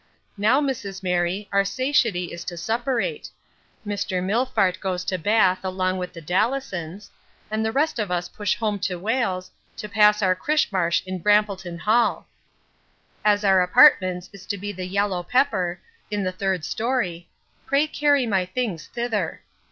Now, Mrs Mary, our satiety is to suppurate Mr Millfart goes to Bath along with the Dallisons, and the rest of us push home to Wales, to pass our Chrishmarsh at Brampleton hall As our apartments is to be the yallow pepper, in the thurd story, pray carry my things thither.